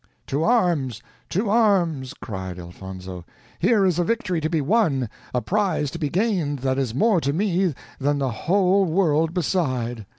"To arms, to arms!" cried Elfonzo; "here is a victory to be won, a prize to be gained that is more to me that the whole world beside."